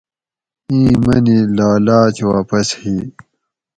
اِیں منی لالاچ واپس ہی